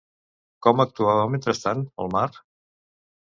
Com actuava, mentrestant, el mar?